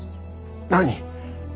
何。